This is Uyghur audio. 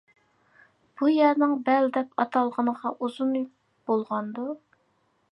بۇ يەرنىڭ بەل دەپ ئاتالغىنىغا ئۇزۇن بولغاندۇ.